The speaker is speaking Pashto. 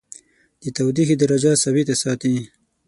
د تودیخي درجه ثابته ساتي.